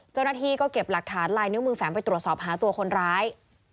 เจ้าหน้าที่ก็เก็บหลักฐานลายนิ้วมือแฝงไปตรวจสอบหาตัวคนร้าย